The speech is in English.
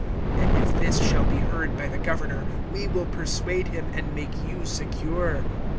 (14)And if this shall be heard by the governor[28:14], we will persuade him, and make you secure.